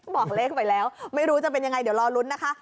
บอกเลขไปแล้วไม่รู้จะเป็นยังไงเดี๋ยวรอลุ้นนะคะ